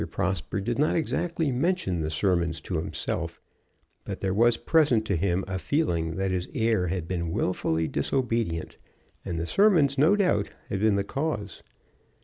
Prosper did not exactly mention the sermons to himself, but there was present to him a feeling that his heir had been wilfully disobedient, and the sermons no doubt had been the cause.